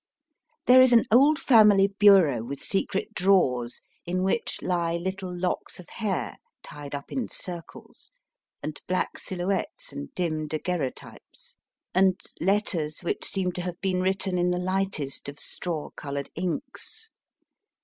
There is an old family bureau with secret drawers, in which lie little locks of hair tied up in circles, and black sil houettes and dim daguerreo types, and letters which seem to have been written in the lightest of straw ON THE PRAIRIES AND THE OCEANS coloured inks.